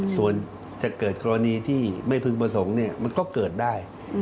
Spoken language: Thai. ส่วนจะเกิดกรณีที่ไม่พึงประสงค์มันก็เกิดได้